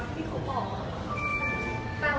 แล้วหนูก็อยากจะยอมรับ